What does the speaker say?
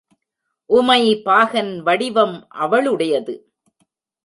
உமைபாகன் வடிவம் அவளுடையது.